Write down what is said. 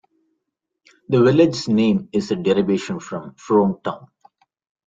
The village's name is a derivation from "Frome Town".